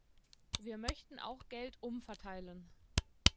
Wir möchten auch Geld umverteilen.